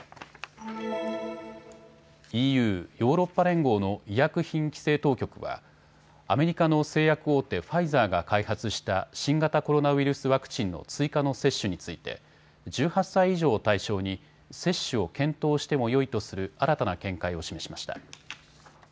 ＥＵ・ヨーロッパ連合の医薬品規制当局はアメリカの製薬大手、ファイザーが開発した新型コロナウイルスワクチンの追加の接種について１８歳以上を対象に接種を検討してもよいとする新たな見解を示しました。